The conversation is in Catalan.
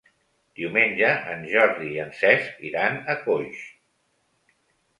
Diumenge en Jordi i en Cesc iran a Coix.